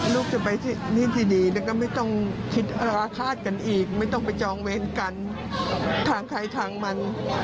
ลูกจะไปที่นี่ที่ดีแล้วก็ไม่ต้องคิดอาฆาตกันอีกไม่ต้องไปจองเวรกันทางใครทางมัน